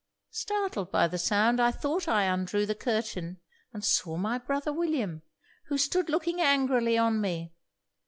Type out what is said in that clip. Startled by the sound, I thought I undrew the curtain, and saw my brother William, who stood looking angrily on me.